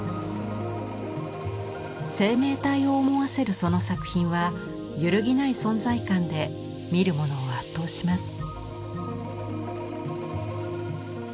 生命体を思わせるその作品は揺るぎない存在感で見る者を圧倒します。